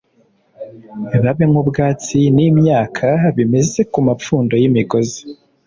babe nk ‘ubwatsi n’ imyaka bimeze ku mapfundo y’ imigozi